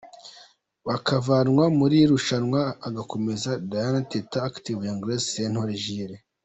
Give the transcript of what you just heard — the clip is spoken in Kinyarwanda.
bakavanwa mu irushanwa hagakomeza Diana Teta, Active, Young Grace, Sentore Jules….